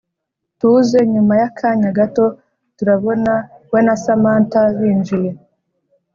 tuze nyuma y’akanya gato turabona we na samantha binjiye